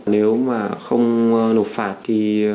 nếu mà không nộp phạt thì họ sẽ trả lời